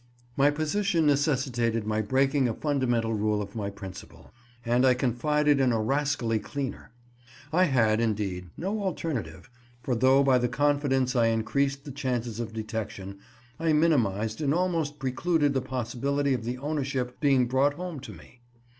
My position necessitated my breaking a fundamental rule of my principle, and I confided in a rascally cleaner. I had, indeed, no alternative, for, though by the confidence I increased the chances of detection, I minimized and almost precluded the possibility of the ownership being brought home to me.